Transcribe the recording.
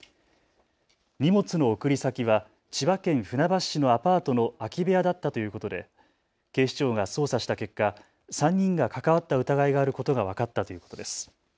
荷物の送り先は千葉県船橋市のアパートの空き部屋だったということで警視庁が捜査した結果、３人が関わった疑いがあることが分かったということです。